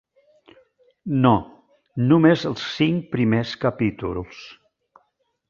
No, només els cinc primers capítols.